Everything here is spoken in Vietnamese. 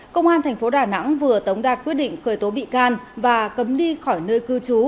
công an thành phố đà nẵng vừa tống đạt quyết định khởi tố bị can và cấm đi khỏi nơi cư trú